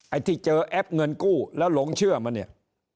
ไอ้ที่เจอแอปเงินกู้แล้วหลงเชื่อมาเนี่ย